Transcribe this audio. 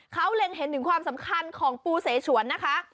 เขาเล็งเห็นถึงความสำคัญของปูเสฉวนนะคะ